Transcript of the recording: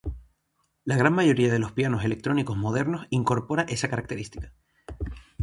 La gran mayoría de los pianos electrónicos modernos incorpora esa característica.